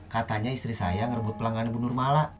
katanya istri saya ngerebut pelanggan bu nur mala